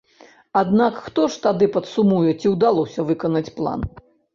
Аднак хто тады падсумуе, ці ўдалося выканаць план?